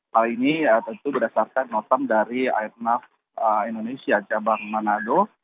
hal ini tentu berdasarkan notam dari airnav indonesia cabang manado